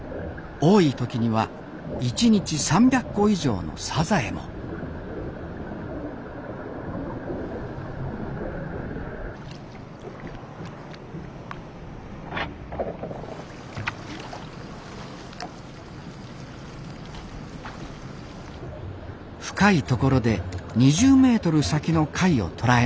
多い時には１日３００個以上のサザエも深い所で２０メートル先の貝を捕らえます。